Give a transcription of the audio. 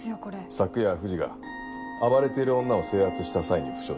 昨夜藤が暴れている女を制圧した際に負傷した。